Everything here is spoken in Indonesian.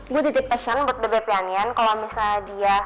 gue titip pesan buat baby pianian kalau misalnya dia